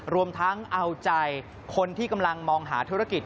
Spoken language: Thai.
รวมทั้งเอาใจคนที่กำลังมองหาธุรกิจ